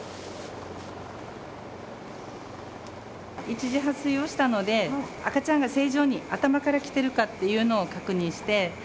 一次破水をしたので赤ちゃんが正常に頭からきているかっていうのを確認して。